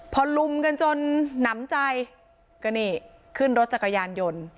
พอลุมกันจนหนำใจก็นี่ขึ้นรถจักรยานยนต์